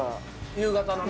夕方のね。